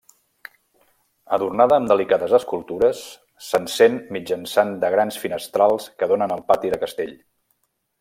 Adornada amb delicades escultures, s'encén mitjançant de grans finestrals que donen al pati de castell.